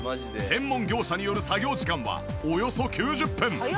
専門業者による作業時間はおよそ９０分。